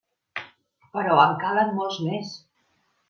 Però en calen molts més!